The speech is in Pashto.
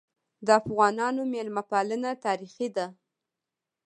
د افغانانو مېلمه پالنه تاریخي ده.